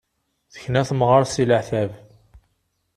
Tekna temɣart si leɛtab.